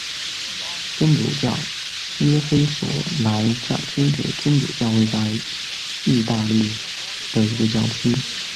天主教菲耶索莱教区是天主教会在义大利的一个教区。